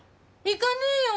行かねえよ。